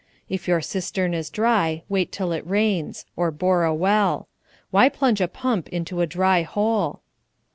If your cistern is dry, wait until it rains; or bore a well. Why plunge a pump into a dry hole?